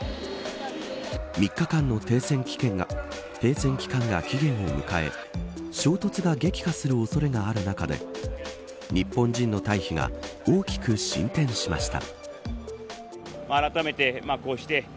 ３日間の停戦期間が期限を迎え衝突が激化する恐れがある中で日本人の退避が大きく進展しました。